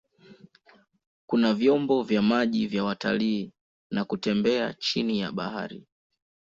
Kuna vyombo vya maji vya watalii na kutembea chini ya bahari.